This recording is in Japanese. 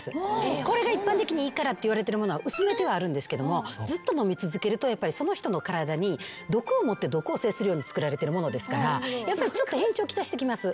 これが一般的にいいからっていわれてるものは薄めてはあるんですけどもずっと飲み続けるとやっぱりその人の体に毒をもって毒を制するように作られてるものですからやっぱり変調来してきます。